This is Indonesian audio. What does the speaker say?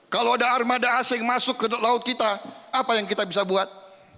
kalau ada armada asing masuk ke laut kita apa yang kita bisa buat